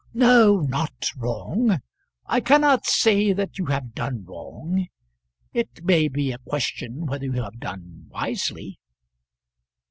"No, not wrong; I cannot say that you have done wrong. It may be a question whether you have done wisely."